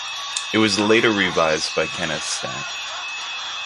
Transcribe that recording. It was later revised by Kenneth Stamp.